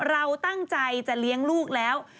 เราตั้งใจจะเลี้ยงลูกแล้ว